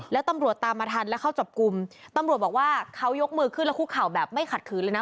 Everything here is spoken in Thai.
แล้วตำรวจตามมาทันแล้วเข้าจับกลุ่มตำรวจบอกว่าเขายกมือขึ้นแล้วคุกเข่าแบบไม่ขัดขืนเลยนะ